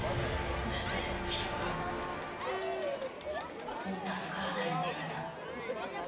もし、大切な人がもう助からないって言われたら。